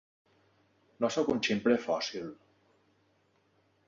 No sóc un ximple fòssil.